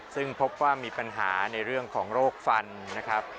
ซึ่งพบว่ามีปัญหาในเรื่องของโรคฟันนะครับ